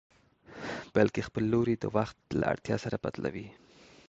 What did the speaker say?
بلکې خپل لوری د وخت له اړتيا سره بدلوي.